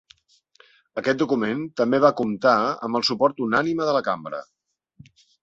Aquest document, també va comptar amb el suport unànime de la cambra.